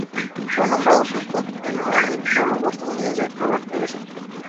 Fue nombrado Sutton en honor al geólogo estadounidense Robert L. Sutton.